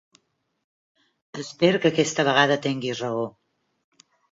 Espero que aquesta vegada tinguis raó.